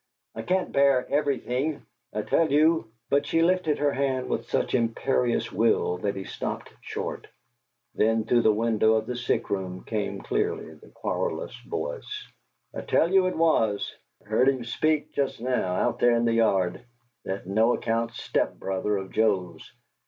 I can't bear everything; I tell you " But she lifted her hand with such imperious will that he stopped short. Then, through the window of the sick room came clearly the querulous voice: "I tell you it was; I heard him speak just now out there in the yard, that no account step brother of Joe's!